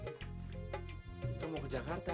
itu mau ke jakarta